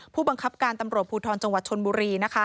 ผู้บังคับการตำรวจภูทรจังหวัดชนบุรีนะคะ